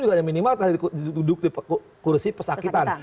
juga minimal terhadap duduk di kursi pesakitan